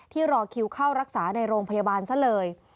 รอคิวเข้ารักษาในโรงพยาบาลซะเลย